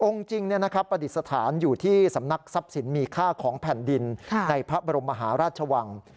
จริงประดิษฐานอยู่ที่สำนักทรัพย์สินมีค่าของแผ่นดินในพระบรมมหาราชวัง